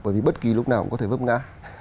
bởi vì bất kỳ lúc nào cũng có thể vấp ngã